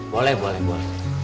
boleh boleh boleh